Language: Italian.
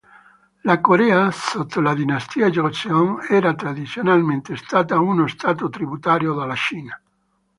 La Corea sotto la dinastia Joseon era tradizionalmente stata uno stato tributario della Cina.